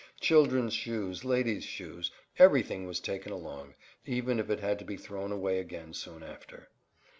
Children's shoes, ladies' shoes, everything was taken along, even if it had to be thrown away again soon after.